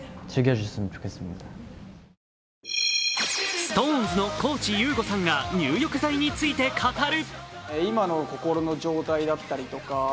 ＳｉｘＴＯＮＥＳの高地優吾さんが入浴剤について語る。